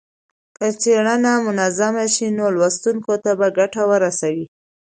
که څېړنه منظمه شي نو لوستونکو ته به ګټه ورسوي.